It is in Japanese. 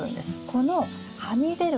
このはみ出る